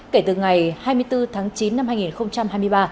kể từ ngày hai mươi bốn tháng chín năm hai nghìn hai mươi ba